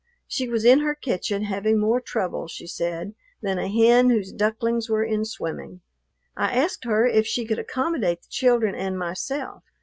She was in her kitchen, having more trouble, she said, than a hen whose ducklings were in swimming. I asked her if she could accommodate the children and myself.